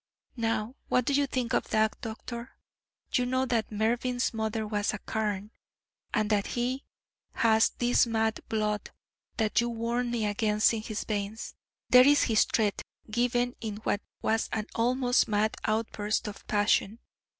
Now, what do you think of that, doctor? You know that Mervyn's mother was a Carne, and that he has this mad blood that you warned me against in his veins. There is his threat, given in what was an almost mad outburst of passion.